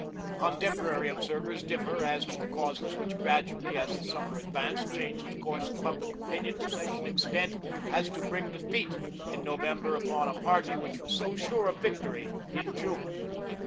Contemporary observers differ as to the causes which gradually, as the summer advanced, changed the course of public opinion to such an extent as to bring defeat in November upon a party which was so sure of victory in June.